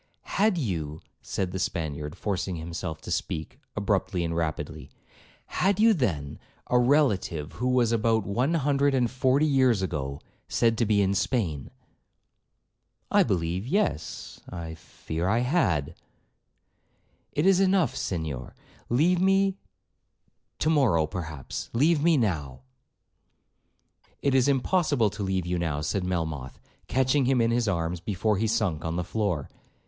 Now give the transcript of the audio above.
'Had you,' said the Spaniard, forcing himself to speak, abruptly and rapidly, 'had you, then, a relative who was, about one hundred and forty years ago, said to be in Spain.' 'I believe—yes, I fear—I had.' 'It is enough, Senhor—leave me—to morrow perhaps—leave me now.' 'It is impossible to leave you now,' said Melmoth, catching him in his arms before he sunk on the floor.